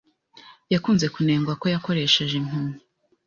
yakunze kunengwa ko yakoresheje impumyi